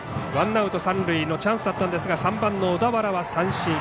ワンアウト、三塁のチャンスだったんですが３番の小田原は三振。